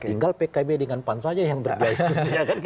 tinggal pkb dengan pan saja yang berbiaya